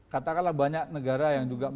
katakanlah banyak negara yang juga